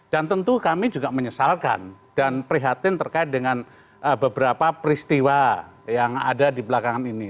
dan tentu kami juga menyesalkan dan prihatin terkait dengan beberapa peristiwa yang ada di belakangan ini